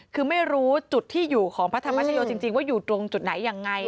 คือไม่รู้จุดที่อยู่ของพระธรรมชโยจริงว่าอยู่ตรงจุดไหนยังไง